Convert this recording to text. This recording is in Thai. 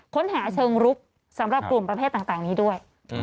ค้นหาเชิงรุกสำหรับกลุ่มประเภทต่างนี้ด้วย